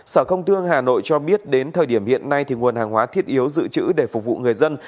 sở công thương hà nội cho biết đến thời điểm hiện nay nguồn hàng hóa thiết yếu dự trữ để phục vụ người dân